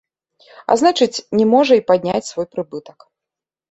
А значыць, не можа і падняць свой прыбытак.